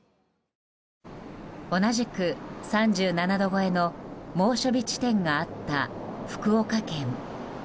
同じく３７度超えの猛暑日地点があった福岡県。